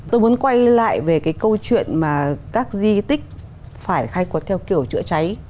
tôi muốn quay lại về cái câu chuyện mà các di tích phải khai quật theo kiểu chữa cháy